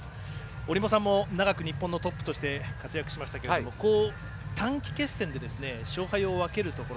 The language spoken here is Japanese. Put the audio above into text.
折茂さんも長く日本のトップとして活躍しましたけれども短期決戦で勝敗を分けるところ。